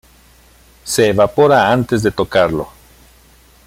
Se evapora antes de tocarlo.